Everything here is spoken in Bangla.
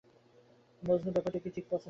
মজনু ব্যাপারটা ঠিক পছন্দ করল না।